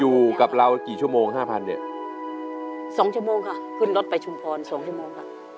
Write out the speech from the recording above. อยู่กับเรากี่ชั่วโมงห้าพันเนี่ยสองชั่วโมงค่ะขึ้นรถไปชุมพรสองชั่วโมงค่ะ